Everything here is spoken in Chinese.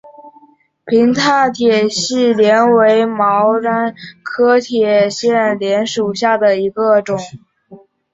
平坝铁线莲为毛茛科铁线莲属下的一个种。